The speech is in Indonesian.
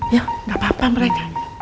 ya gak apa apa meren